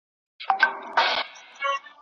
لیک یوازې مه بس کوئ.